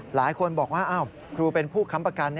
หลายคนบอกว่าครูเป็นผู้ค้ำประกัน